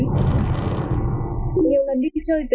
nhiều lần đi đi chơi nhiều lần đi đi chơi nhiều lần đi đi chơi